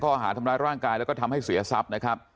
ข้อหาทำร้ายร่างกายแล้วก็ทำให้เสียทรัพย์นะครับ